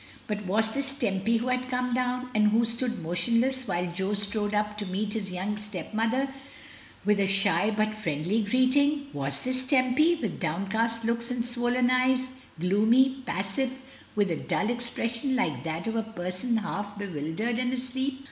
But was this Tempy who had come down, and who stood motionless while Jo strode up to meet his young stepmother, with a shy, but friendly greeting? Was this Tempy, with down cast looks and swollen eyes, gloomy, passive, with a dull expression like that of a person half bewildered and asleep?